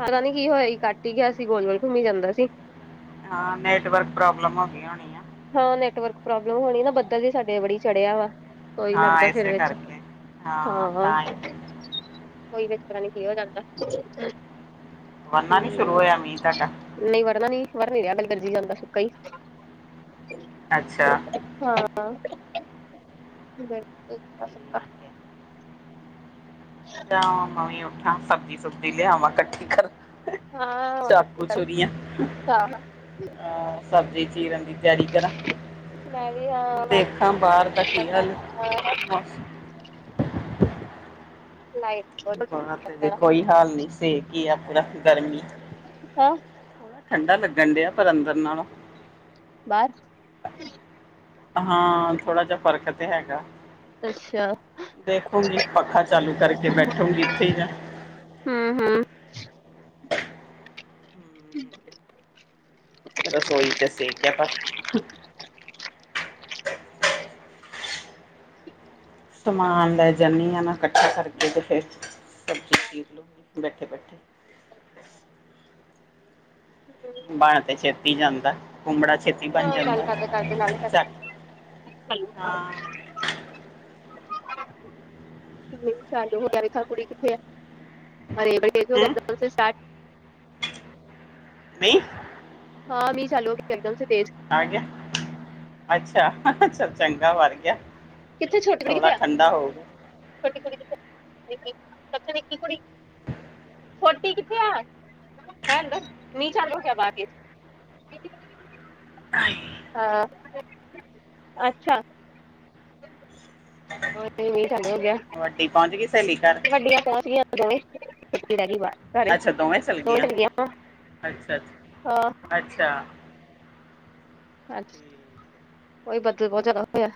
ਪਤਾ ਨੀ ਕੀ ਹੋਇਆ ਸੀ ਕੱਟ ਈ ਗਿਆ ਸੀ ਗੋਲ-ਗੋਲ ਘੁੰਮੀ ਜਾਂਦਾ ਸੀ। ਹਾਂ ਨੈਟਵਰਕ ਪ੍ਰੋਬਲਮ ਹੋ ਗਈ ਹੋਣੀ। ਆ ਹਾਂ ਨੈਟਵਰਕ ਪ੍ਰੋਬਲਮ ਹੋਣੀ ਨਾ ਬੱਦਲ ਵੀ ਸਾਡੇ ਬੜੀ ਚੜ੍ਹਿਆ ਵਾ। ਉਈ ਹਾਂ ਲੱਗਦਾ ਫਿਰ ਇਸੇ ਵਿੱਚ, ਕਰਕੇ ਹਾਂ ਹਾਹ ਤਾਂ ਹੀ ਓਇ ਵਿੱਚ ਪਤਾ ਨੀ ਕਿੱਦਾ ਲੱਗਦਾ। ਵਰਨਾ ਨੀ ਸ਼ੁਰੂ ਹੋਇਆ ਮੀਂਹ ਤਾਡਾ? ਨੀ ਵੜਨਾ ਨੀ ਵੜਨ ਰਿਹਾ ਏਵੀ ਗਰਜੀ ਜਾਂਦਾ ਸੁਕਾ ਈ। ਅੱਛਾ। ਅੱਛਾ। [inaudible] ਇਕ ਦਾ ਸੁੱਕਾ। ਠੀਕ ਤਾਂ ਮੈ ਵੀ ਉੱਠਾ ਸਬਜ਼ੀ-ਸੁਬਜ਼ੀ ਲਿਆਵਾਂ ਇਕੱਠੀ ਕਰ। ਹਾਂ ਚਾਕੂ- ਛੂਰੀਆਂ ਅਹ ਸਬਜ਼ੀ ਚੀਰਨ ਦੀ ਤਿਆਰੀ ਕਰਾਂ, ਮੈਂ ਵੀ ਹਾਂ ਮੈਂ ਦੇਖਾਂ ਬਾਹਰ ਦਾ ਕੀ ਹਾਲ ਮੋਸ ਲਾਈਵ। ਬਾਰ ਤੇ ਕੋਈ ਹਾਲ ਨੀ ਸੇਕ ਈ ਆਪਣਾ ਗਰਮੀ। ਓ ਠੰਢਾ ਲੱਗਣ ਡਿਆ ਪਰ ਅੰਦਰ ਨਾਲੋਂ। ਬਾਰ। ਹਾਂ ਥੋੜਾ ਜੇਹਾ ਫਰਕ ਤੇ ਹੈਗਾ। ਅੱਛਾ ਦੇਖੂਗੀ ਪੱਖਾ ਚਾਲੂ ਕਰਕੇ ਬੈਠੋਗੀ ਇੱਥੇ ਈ ਮੈ। ਹੂੰ ਹੂੰ। [inaudible] ਰਸੋਈ ਚ ਸੇਕ ਆ ਪਰ। ਸਮਾਨ ਲੈ ਜਾਂਦੀ ਆ ਨਾ ਇਕੱਠਾ ਕਰਕੇ ਤੇ ਫੇਰ [inaudible] ਬੈਠੇ-ਬੈਠੇ ਕਲੀ ਸਪੋਰਟ, ਮੈਨੂੰ ਵੀ ਬਣ ਤਾ ਛੇਤੀ ਜਾਂਦਾ ਹੁਣ ਬੜਾ ਛੇਤ ਹਾਂ ਬਣ ਗੱਲ ਕਰਦੇ ਕਰਦੇ ਨਾਲੇ ਜਾਂਦਾ। [unintelligible] ਹਾਂ। [inaudible] [unintelligible] ਚੱਲ ਹੁਣ ਮੈ ਵੇਖਾ ਕੁੜੀ ਕਿੱਥੇ ਐ, ਕੋਈ ਹਮ ਨੀ। ਫ ਸਾਰਟ। ਨਹੀਂ। ਹਾਂ ਮੀਹ ਚਾਲੂ ਇੱਕਦਮ ਸ ਤੇਜ। ਆ ਗੇਆ ਅੱਛਾ ਹਹ-ਚਲ ਚੰਗਾ ਵੜ ਗੇਆ, ਥੋੜਾ ਠੰਡਾ ਹੋਊਗਾ। ਦਾ ਨੀਚਾ ਦ ਕਿਆ ਬਾਕ ਮ੍। ਅ ਅੱਛਾ, ਔਦਾ ਈ, ਮੀਂਹ ਥੱਲੇ ਹੋ ਗਿਆ। ਵੱਡੀ ਪੋਂਚ ਗਈ ਸੇਲੀ ਘਰ। ਡੀਆਂ ਪਹੁੰਚ ਗਈਆਂ ਉਦੋਂ ੁੱਟੀ ਦਾ ਗਈ ਬ। ਸਾਰੇ ਅੱਛਾ ਦੋਵੇਂ ਚਲ ਪੋਚ ਗਈਆਂ ਗਏ ਆਪਾ ਅੱਛਾ ਅੱਛਾ ਆਹ। ਅੱਛਾ। ਅੱਛਾ ਠੀਕ ਓ, ਈ ਬਦਲ ਬੋਤ ਜਾਦਾ ਹੋਏਆ।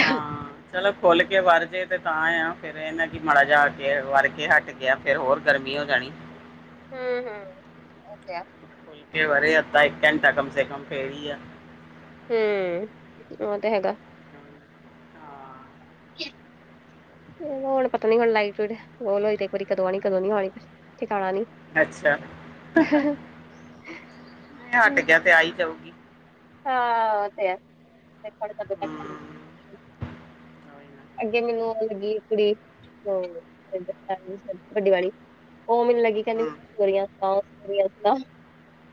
ਹਾਂ। ਚਲੋ ਖੁੱਲ ਕੇ ਵਰਜੇ ਤੇ ਤਾਂ ਆ, ਫੇਰ ਏ ਨਾ ਕਿ ਮਾੜਾ ਜੇ ਆ ਕੇ ਵਰ ਕੇ ਹਟ ਗੇਆ। ਫੇਰ ਹੋਰ ਗਰਮੀ ਹੋ ਜਾਣੀ। ਹਮ-ਹਮ। ਖੁਲ ਕੇ ਵਰ ਜਾਂਦਾ ਇੱਕ ਘੰਟਾ ਕਮ ਸੇ ਕਮ ਫੇਰ ਵੀ ਆ। ਹੁ ਓਹ ਤੇ ਹੈਗਾ। ਹਾਂ ਤੇ ਹੁਣ ਪਤਾ ਨੀ ਹੁਣ ਲਾਈਟ -ਲੁਈਟ ਓ ਹੁਨ ਕਦੋਂ ਆਣੀ ਕਦੋਂ ਨੀ ਆਣੀ, ਠਿਕਾਣਾ ਨੀ। ਅੱਛਾ। ਹ। ਮੀਹ ਹੱਟ ਗੇਆ ਤੇ ਆ ਈ ਜਾਊਗੀ। ਹਾਂ ਓ ਤੇ ਹੈ, ਦੇਖੋ ਹੁਨ ਕਦੋ ਤਕ ਹੂੰ ਆਂਦੀ ਕੋਈ ਨਾ। ਅੱਗੇ ਮੈਨੂੰ ਲੱਗੀ ਕੁੜੀ ਓ ਵੱਡੀ ਵਾਲੀ। ਓ ਮੈਨੂੰ ਲੱਗੀ ਕੇਂਦੀ ਹੂੰ ਵਧੀਆ ਸੁਣਾਓ ਵਧੀਆ ਸੁਣਾਓ।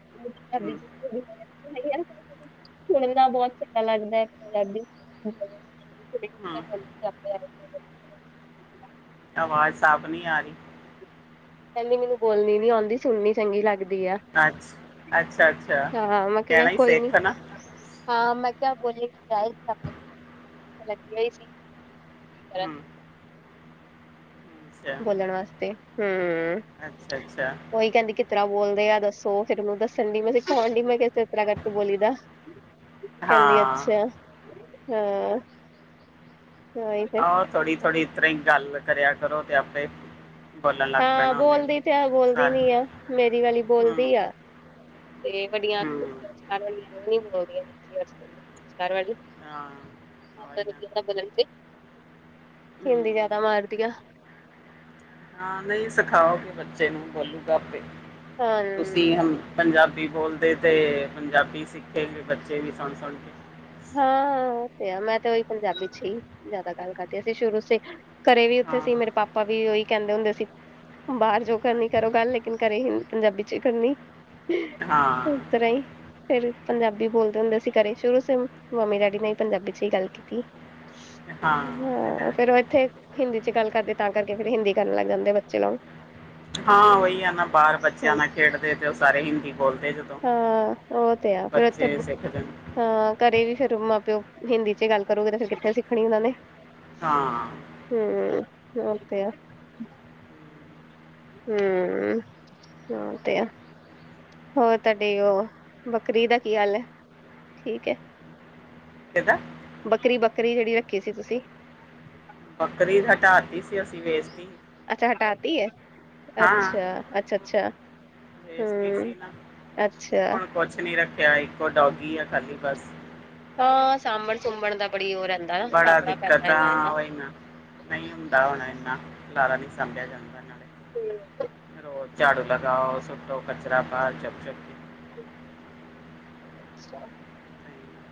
[inaudible] ਹੂੰ ਸੁਣਨਾ ਬੋਤ ਚੰਗਾ ਲੱਗਦਾ ਏ ਪੰਜਾਬੀ। [inaudible] ਹੂੰ ਆਵਾਜ਼ ਸਾਫ਼ ਨੀ ਆ ਰਈ। ਕੇਂਦੀ ਮੈਨੂੰ ਬੋਲਣੀ ਨੀ ਔਂਦੀ, ਸੁਣਨੀ ਚੰਗੀ ਲੱਗਦੀ ਆ। ਅੱਛ, ਅੱਛਾ- ਅੱਛਾ ਹਾਂ ਮੈਂ ਕਿਹਾ ਕੈਣਾ ਸੀ ਕੋਈ ਨੀ ਸਿੱਖ ਨਾ। ਹਾਂ ਮੈਂ ਕੇ ਆ ਬੋਲਣੀ ਤੇ ਚਾਹੀਦੀ ਆ ਕੇ ਲੱਗਿਆ ਈ ਸੀ, ਕੀ ਕਰਨ? ਹੂੰ ਅੱਛਾ ਬੋਲਣ ਵਾਸਤੇ ਹੂ ਹੂ। ਅੱਛਾ -ਅੱਛਾ। ਓਹੀ ਕੈਂਦੀ ਕਿਸ ਤਰ੍ਹਾਂ ਬੋਲਦੇ ਆ ਦੱਸੋ, ਫੇਰ ਓਨੂੰ ਦੱਸਣ ਦੀ ਮੈਂ ਸਿਖਾਉਣ ਦਈ ਮੈਂ ਕੇ ਆ ਇਸ ਤਰ੍ਹਾਂ ਕਰਕੇ ਬੋਲੀ ਦਾ। ਕੇਂਦੀ ਹਾਂ ਅੱਛਾ ਹਾਂ, ਆਈ ਫੇਰ ਆਹੋ ਥੋੜ੍ਹੀ- ਥੋੜ੍ਹੀ ਇਤ ਤਰ੍ਹਾਂ ਈ ਗੱਲ ਕਰੇਆ ਕਰੋ ਤੇ ਆਪੇ ਬੋਲਣ ਲੱਗ ਹਾਂ ਪੈਣਾ ਉਹਨੇ ਵੀ ਬੋਲਦੀ ਤੇ ਹੈ ਬੋਲਦੀ ਸਾਰ ਨੀ ਆ, ਮੇਰੀ ਵਾਲੀ ਹੂੰ ਬੋਲਦੀ ਆ। ਤੇ ਵੱਡੀਆਂ ਹੂੰ ਵਾਲੀਆਂ, ਵਿਚਕਾਰ ਵਾਲੀਆਂ ਦੋਨੋ ਨੀ ਬੋਲਦੀਆਂ, ਨਿੱਕੀਆਂ ਜੇਈਆ। ਵਿਚਕਾਰ ਵਾਲੀ ਹਾਂ ਪਤਾ ਆਈ ਨੀ ਨਾ ਕਿਦਾ ਬਦਲ ਗਏ ਹੂੰ ਹੁੰਦੀਆ ਤੇ ਮਾਰਦੀਆਂ। ਹਾਂ ਨਹੀਂ ਸਿਖਾਓਗੇ ਬੱਚੇ ਨੂੰ ਬੋਲੂਗਾ ਆਪੇ, ਹਾਂ ਤੁਸੀਂ ਹ ਪੰਜਾਬੀ ਬੋਲਦੇ ਤੇ ਪੰਜਾਬੀ ਸਿੱਖਣਗੇ ਬੱਚੇ ਵੀ ਸੁਣ-ਸੁਣ ਕੇ। ਹਾਂ ਓ ਤੇ ਆ ਮੈਂ ਤੇ ਉਹੀ ਪੰਜਾਬੀ ਚ ਹੀ ਜ਼ਿਆਦਾ ਗੱਲ ਕਰਦੀ ਆ, ਅਸੀ ਸ਼ੁਰੂ ਸੇ ਘਰੇ ਵੀ ਉੱਥੇ ਹਾਂ ਸੀ ਮੇਰੇ ਪਾਪਾ ਵੀ ਉਹੀ ਕਹਿੰਦੇ ਹੁੰਦੇ ਸੀ ਬਾਹਰ ਜੋ ਕਰਨੀ ਕਰੋ ਹਾਂਜੀ। ਗੱਲ, ਲੇਕਿਨ ਘਰੇ ਪੰਜਾਬੀ ਚ ਕਰਨੀ। ਹਾਂ ਇਸ ਤਰ੍ਹਾਂ ਹੀ ਫੇਰ ਪੰਜਾਬੀ ਬੋਲਦੇ ਹੁੰਦੇ ਸੀ ਘਰੇ ਸ਼ੁਰੂ ਸੇ ਮੰਮੀ ਡੈਡੀ ਨੇ ਵੀ ਪੰਜਾਬੀ ਚ ਹੀ ਗੱਲ ਕੀਤੀ, ਹਾਂ ਉਹ ਤੇ ਹਾਂ ਹੈ ਫੇਰ ਉਹ ਇੱਥੇ ਹਿੰਦੀ ਚ ਗੱਲ ਕਰਦੇ ਤਾਂ ਕਰਕੇ ਫਿਰ ਹਿੰਦੀ ਕਰਨ ਲੱਗ ਜਾਂਦੇ ਬੱਚੇ ਨਾਲ। ਹਾਂ ਉਹੀ ਆ ਨਾ ਬਾਹਰ ਬੱਚਿਆਂ ਹੁਣ ਨਾਲ ਖੇਡਦੇ ਤੇ ਉਹ ਸਾਰੇ ਹਿੰਦੀ ਬੋਲਦੇ ਜੋ। ਹਾਂ ਉਹ ਤੇ ਆ ਫੇਰ ਉੱਥੇ ਸਿੱਖ ਜਾਂਦੇ ਹਾਂ ਘਰੇ ਵੀ ਫੇਰ ਮਾਂ ਪਿਓ ਹਿੰਦੀ ਚ ਗੱਲ ਕਰੂਗਾ ਤੇ ਫਿਰ ਕਿੱਥੇ ਸਿੱਖਣੀ ਉਹਨਾਂ ਨੇ। ਹਾਂ ਤੇ, ਹੂੰ ਓ ਤੇ ਆ। ਹਮ। ਹੂੰ ਉਹ ਤੇ ਅ। ਹੋਰ ਤੁਹਾਡੀੇ ਉਹ ਬੱਕਰੀ ਦਾ ਕੀ ਹਾਲ ਹ, ਠੀਕ ਏ? ਕਿਹਦਾ? ਬੱਕਰੀ-ਬੱਕਰੀ ਜਿਹੜੀ ਰੱਖੀ ਸੀ ਤੁਸੀਂ? ਬੱਕਰੀ ਹਟਾਤੀ ਸੀ ਅਸੀਂ ਵੇਚਤੀ। ਅੱਛਾ ਹਟਾਤੀ ਏ, ਹਾਂ ਅੱਛਾ, ਅੱਛਾ-ਅੱਛਾ। ਵੇਚਤੀ ਹੂੰ ਸੀ ਨਾ ਅੱਛਾ। ਹੁਣ ਕੁਛ ਨੀ ਰੱਖਿਆ, ਇੱਕੋ ਡੋਗੀ ਆ ਖਾਲੀ ਬਸ। ਹਾਂ ਸਾਂਭਣ ਸੁੰਬਣ ਦਾ ਬੜੀ ਉਹ ਰਹਿੰਦਾ। ਨਾ ਬੜਾ ਸਾਂਭਣਾ ਪੈਂਦਾ ਦਿੱਕਤ ਆ ਇਨਾ ਹਾਂ ਇਹਦਾ ਉਹੀ ਨਾ। ਨਹੀਂ ਹੁੰਦਾ ਹੋਣ ਏਨਾ, ਖਿਲਾਰਾ ਨੀ ਸਾਂਭਿਆ ਜਾਂਦਾ ਨਾਲੇ। ਝਾੜੂ ਲਗਾਓ, ਸੁੱਟੋ ਕਚਰਾ ਬਾਹਰ ਚੁੱਕ-ਚੁੱਕ ਕੇ। [unintelligible]